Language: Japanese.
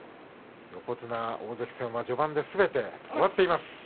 横綱、大関戦は序盤ですべて終わっています。